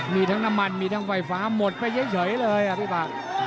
มีทั้งน้ำมันมีทั้งไฟฟ้าหมดไปเฉยเลยอ่ะพี่ปาก